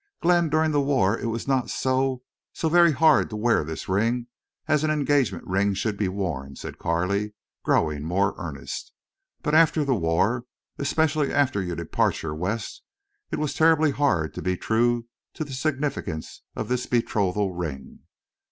"Glenn, during the war it was not so—so very hard to wear this ring as an engagement ring should be worn," said Carley, growing more earnest. "But after the war—especially after your departure West it was terribly hard to be true to the significance of this betrothal ring.